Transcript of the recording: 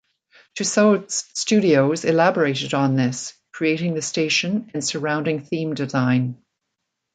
Tussauds Studios elaborated on this, creating the station and surrounding theme design.